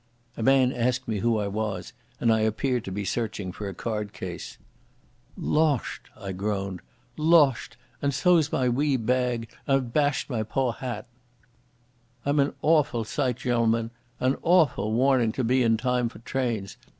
A man asked me who I was, and I appeared to be searching for a card case. "Losht," I groaned. "Losht, and so's my wee bag and I've bashed my po' hat. I'm an awful sight, gen'lmen—an awful warning to be in time for trains.